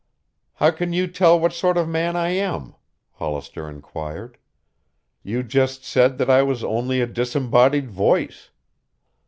"How can you tell what sort of man I am?" Hollister inquired. "You just said that I was only a disembodied voice."